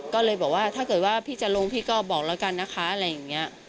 ก็เลยบอกว่าถ้าเกิดว่าพี่จะลงพี่ก็บอกแล้วกันนะคะอะไรอย่างนี้